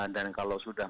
dan kalau sudah